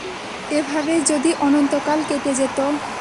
এভাবেই যদি অনন্তকাল কেটে যেত!